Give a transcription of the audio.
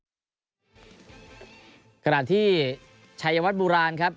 ขนาดที่ชายวัฒน์บุราณครับ